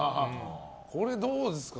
これ、どうですか？